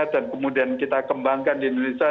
dan kemudian kita kembangkan di indonesia